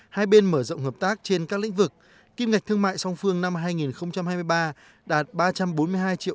hai bên mở rộng hợp tác trên các lĩnh vực kim ngạch thương mại song phương năm hai nghìn hai mươi ba đạt ba trăm bốn mươi hai triệu